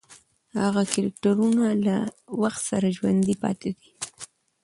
هغې کرکټرونه له وخت سره ژوندۍ پاتې دي.